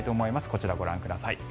こちらご覧ください。